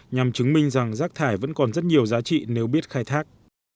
nhằm chứng minh rằng rác thải vẫn còn rất nhiều giá trị nếu biết khai thác